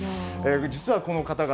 実は、この方々